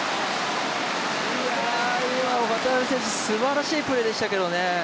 今の渡辺選手、すばらしいプレーでしたけどね。